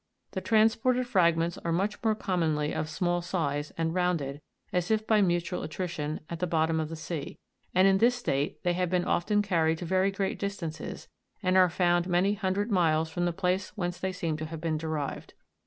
The transported fragments are much more commonly of small size, and rounded, as if by mutual attrition, at the bottom of the sea ; and in this state they have been often carried to very great distances, and are found many hundred miles from the place whence they seem to have been derived.